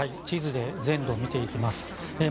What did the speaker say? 地図で全土を見ていきます。